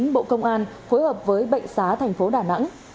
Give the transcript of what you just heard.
bộ công an phối hợp với bệnh xá thành phố đà nẵng